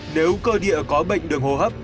nếu cơ địa có bệnh đường hô hấp